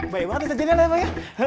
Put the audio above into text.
baik banget nih sajiannya ada temennya